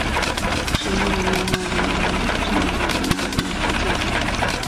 是日本漫画家濑尾公治创作的恋爱漫画作品。